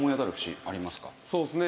そうですね。